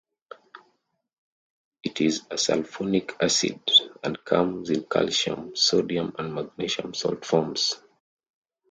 It is a sulfonic acid and comes in calcium, sodium and magnesium salt forms.